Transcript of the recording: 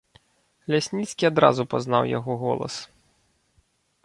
Лясніцкі адразу пазнаў яго голас.